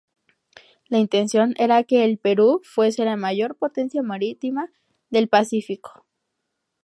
La intención era que el Perú fuese la mayor potencia marítima del Pacífico.